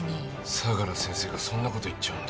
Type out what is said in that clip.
相良先生がそんな事言っちゃうんだ。